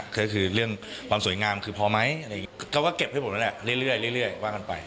ก็คือเรื่องความสวยงามคือพอไหมอะไรอย่างนี้เขาก็เก็บให้หมดแล้วแหละเรื่อยว่ากันไป